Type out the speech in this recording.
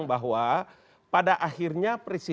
itu kan pada orangnya